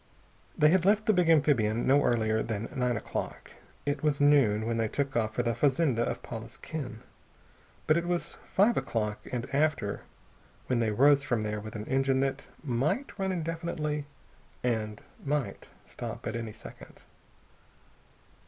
They had left the big amphibian no earlier than nine o'clock. It was noon when they took off for the fazenda of Paula's kin. But it was five o'clock and after when they rose from there with an engine which might run indefinitely and might stop at any second.